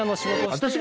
私が。